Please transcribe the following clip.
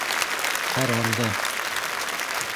Ҡарар ҙа...